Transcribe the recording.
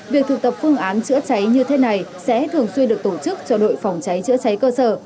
việc thực tập phương án chữa cháy như thế này sẽ thường xuyên được tổ chức cho đội phòng cháy chữa cháy cơ sở